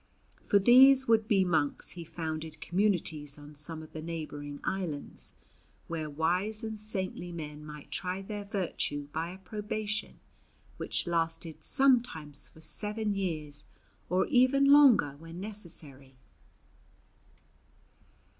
For these would be monks he founded communities on some of the neighbouring islands, where wise and saintly men might try their virtue by a probation which lasted sometimes for seven years or even longer when necessary.